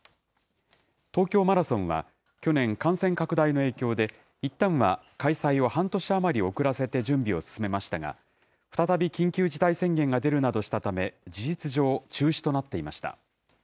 東京マラソンは去年、感染拡大の影響で、いったんは開催を半年余り遅らせて準備を進めましたが、再び緊急事態宣言が出るなどしたため、事実上、中止となっていました。